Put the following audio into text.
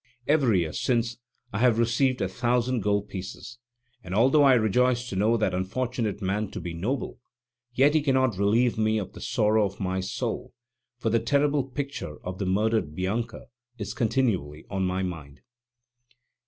Every year since, I have received a thousand gold pieces; and although I rejoice to know that unfortunate man to be noble, yet he cannot relieve me of the sorrow of my soul, for the terrible picture of the murdered Bianca is continually on my mind.